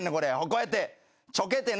こうやってちょけてね。